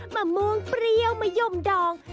มะม่วงเปรี้ยวมะยมดอง